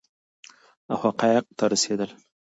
او حقایقو ته رسیدل